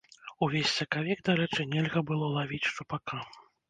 Увесь сакавік, дарэчы, нельга было лавіць шчупака.